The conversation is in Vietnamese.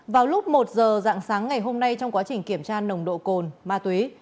vào lúc một giờ dạng sáng ngày hôm nay trong quá trình kiểm tra nồng độ cồn ma túy